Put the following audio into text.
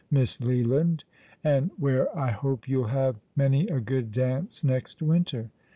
Miss Leland, and where I hope you'll have many a good dance next winter.